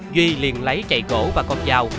duy liền lấy chạy gỗ và con dao